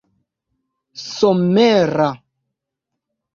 somera